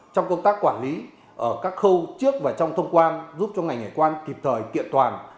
trong công tác quản lý ở các khâu trước và trong thông quan giúp cho ngành hải quan kịp thời kiện toàn